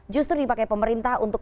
justru dipakai pemerintah untuk